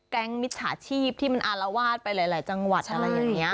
แก๊งค์มิตรสหาชีพที่มันอารวาสไปหลายหลายจังหวัดอะไรอย่างเงี้ย